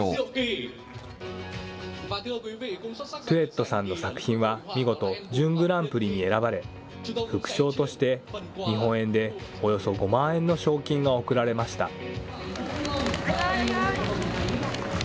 トゥエットさんの作品は見事、準グランプリに選ばれ、副賞として日本円でおよそ５万円の賞金が贈られました。